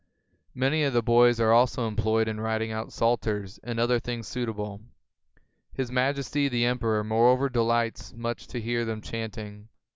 Many of the boys are also employed 147 CHINA in writing out Psalters and other things suitable. His Majesty the Emperor moreover delights much to hear them chanting.